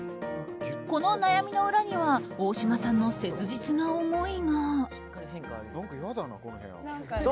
この悩みの裏には大島さんの切実な思いが。